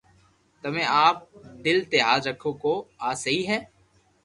تمي آپ دل تي ھاٿ رکو ڪو آ سھي ھي